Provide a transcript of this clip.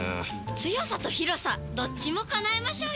強さと広さどっちも叶えましょうよ！